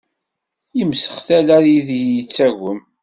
Yemsex tala ideg yettagem!